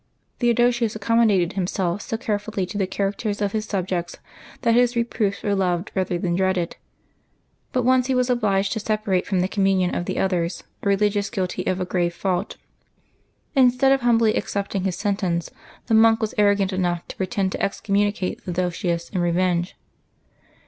Theo dosius accommodated himself so carefully to the characters of his subjects that his reproofs were loved rather than dreaded. But once he was obliged to separate from the Jaxnuaby 12] LIVES OF TEE SAINTS 33 communion of the others a religions guilty of a grave fault. Instead of humbly accepting his sentence, the monk was arrogant enough to pretend to excommunicate Theodosius in revenge.